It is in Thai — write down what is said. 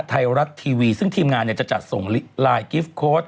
ไทยรัฐทีวีซึ่งทีมงานจะจัดส่งไลน์กิฟต์โค้ด